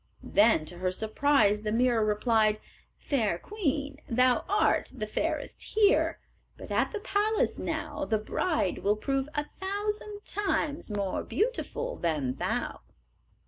Then to her surprise the mirror replied: "Fair queen, thou art the fairest here, But at the palace, now, The bride will prove a thousand times More beautiful than thou."